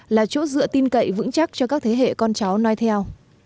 là chỗ dựa tin cậy vững chắc cho các thế hệ con cháu nói theo